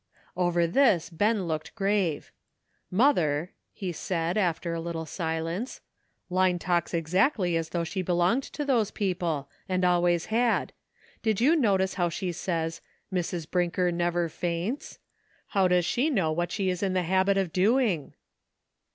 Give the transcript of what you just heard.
" Over this Ben looked grave. " Mother," he said, after a little silence, "Line tallfs exactly as though she belonged to those people, and always had; did you notice how she says, 'Mrs. Brinker never faints?' How does she know what she is in the habit of doing?"